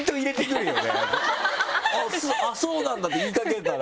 「あっそうなんだ」って言いかけたら。